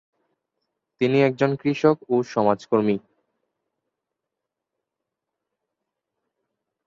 তিনি একজন কৃষক ও সমাজকর্মী।